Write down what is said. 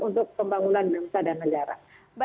untuk pembangunan bangsa dan negara